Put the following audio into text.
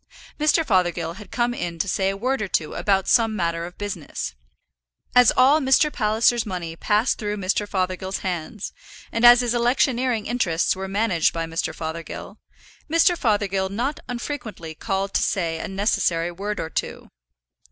Mr. Fothergill had come in to say a word or two about some matter of business. As all Mr. Palliser's money passed through Mr. Fothergill's hands, and as his electioneering interests were managed by Mr. Fothergill, Mr. Fothergill not unfrequently called to say a necessary word or two.